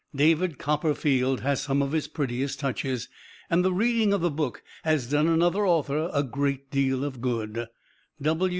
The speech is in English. "David Copperfield" has some of his prettiest touches, and the reading of the book has done another author a great deal of good.